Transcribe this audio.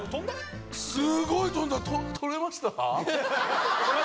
すごい飛んだ。